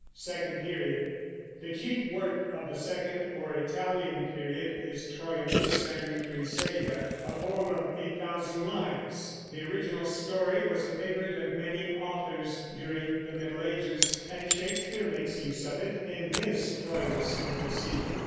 SECOND PERIOD. The chief work of the second or Italian period is Troilus and Criseyde, a poem of eight thousand lines. The original story was a favorite of many authors during the Middle Ages, and Shakespeare makes use of it in his Troilus and Cressida.